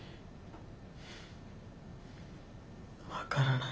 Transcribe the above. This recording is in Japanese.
分からない。